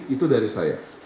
itu dari saya